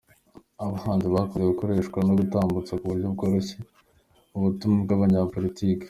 Abahanzi bakunze gukoreshwa mu gutambutsa ku buryo bworoshye ubutumwa bw’abanyapolitiki.